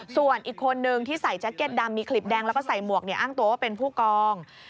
ส่วนอีกคนนึงที่ใส่แจ็คเก็ตดำมีคลิปแดงแล้วก็ใส่หมวกอ้างตัวว่าเป็นผู้กอง